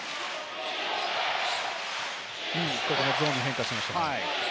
ここもゾーンが変化しましたね。